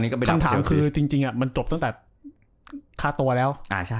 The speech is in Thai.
คำถามคือจริงมันจบตั้งแต่ค่าตัวแล้ว